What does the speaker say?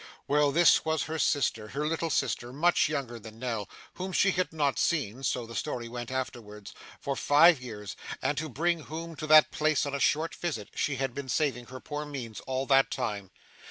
Well, this was her sister, her little sister, much younger than Nell, whom she had not seen (so the story went afterwards) for five years, and to bring whom to that place on a short visit, she had been saving her poor means all that time.